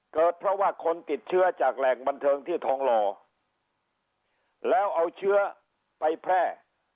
เกิดเพราะว่าคนติดเชื้อจากแหล่งบันเทิงที่ทองหล่อแล้วเอาเชื้อไปแพร่